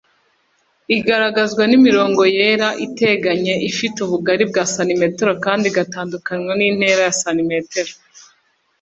igaragazwa nimirongo yera iteganye ifite ubugali bwa cm kandi igatandukanywa n’intera ya cm